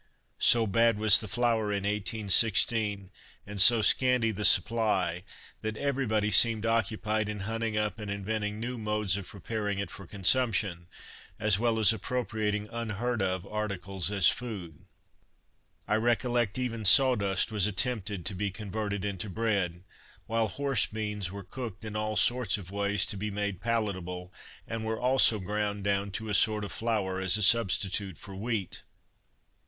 So bad was the flour in 1816, and so scanty the supply, that everybody seemed occupied in hunting up and inventing new modes of preparing it for consumption, as well as appropriating unheard of articles as food. I recollect even "saw dust" was attempted to be converted into bread, while horse beans were cooked in all sorts of ways to be made palatable, and were also ground down to a sort of flour as a substitute for wheat.